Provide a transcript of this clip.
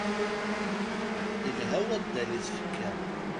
Ilha waddal i tfekka.